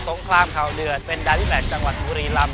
สงครามเขาเดือดเป็นไดรีแมทจังหวัดมุรีลำ